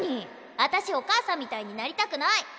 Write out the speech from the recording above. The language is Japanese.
あたしお母さんみたいになりたくない！